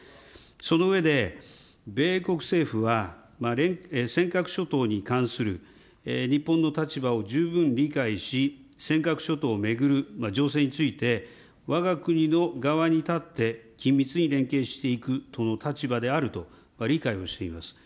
その上で、米国政府は、尖閣諸島に関する日本の立場を十分理解し、尖閣諸島を巡る情勢について、わが国の側に立って緊密に連携していくとの立場であると理解をしております。